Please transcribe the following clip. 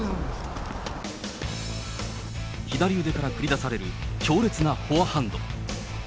左腕から繰り出される強烈なフォアハンド。